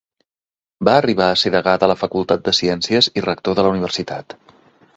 Va arribar a ser degà de la facultat de ciències i rector de la universitat.